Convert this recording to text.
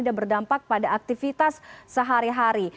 berdampak pada aktivitas sehari hari